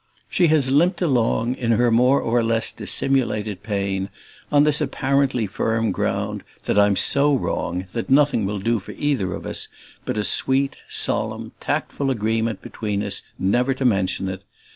She has limped along, in her more or less dissimulated pain, on this apparently firm ground that I'm so wrong that nothing will do for either of us but a sweet, solemn, tactful agreement between us never to mention it.